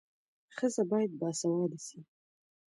ښځه باید باسواده سي.